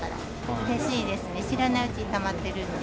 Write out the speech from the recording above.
うれしいですね、知らないうちにたまっているんで。